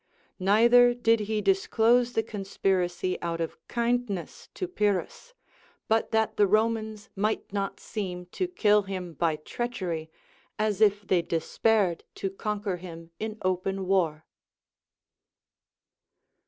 Neither did he disclose the conspiracy out of kindness to Pyrrhus, but that the Romans might not seem to kill him by treachery, as if they despaired to conquer him in open Avar.